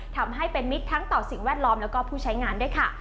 ทำให้เป็นมิตรทั้งต่อสิ่งแวดล้อมแล้วก็ผู้ใช้งานด้วยค่ะ